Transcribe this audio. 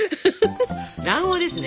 卵黄ですね。